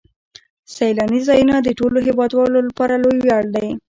سیلاني ځایونه د ټولو هیوادوالو لپاره لوی ویاړ دی.